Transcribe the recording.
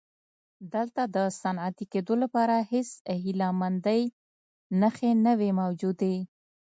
دلته د صنعتي کېدو لپاره هېڅ هیله مندۍ نښې نه وې موجودې.